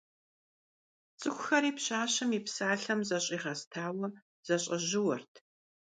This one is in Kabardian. ЦӀыхухэри пщащэм и псалъэм зэщӀигъэстауэ, зэщӀэжьууэрт.